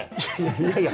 いやいや。